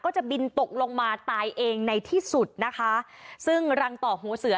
จะบินตกลงมาตายเองในที่สุดนะคะซึ่งรังต่อหัวเสือ